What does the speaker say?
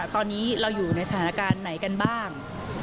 ตอนนี้เราอยู่ในสถานการณ์ไหนกันบ้าง